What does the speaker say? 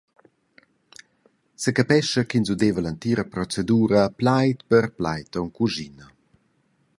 Secapescha ch’ins udeva l’entira procedura plaid per plaid on cuschina.